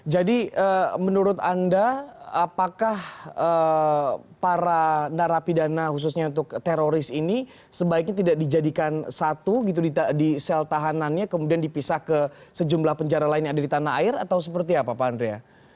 menurut anda apakah para narapidana khususnya untuk teroris ini sebaiknya tidak dijadikan satu gitu di sel tahanannya kemudian dipisah ke sejumlah penjara lain yang ada di tanah air atau seperti apa pak andrea